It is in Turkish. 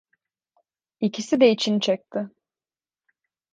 İkisi de içini çekti.